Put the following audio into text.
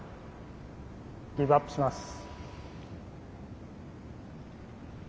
ギブアップします。